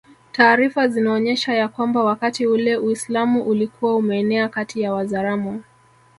Taarifa zinaonyesha ya kwamba wakati ule Uislamu ulikuwa umeenea kati ya Wazaramo